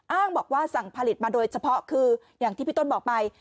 อ้างบอกว่าสั่งผลิตมาโดยเฉพาะคืออย่างที่พี่ต้นบอกไป